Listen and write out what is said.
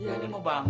iya ini mau bangun